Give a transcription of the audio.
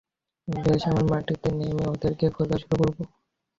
বেশ, আমরা মাটিতে নেমে ওদেরকে খোঁজা শুরু করবো।